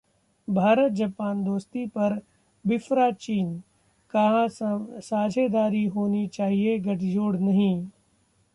भारत-जापान दोस्ती पर बिफरा चीन, कहा- साझेदारी होनी चाहिए गठजोड़ नहीं